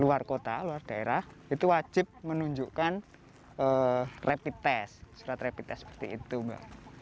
luar kota luar daerah itu wajib menunjukkan rapid test surat rapid test seperti itu mbak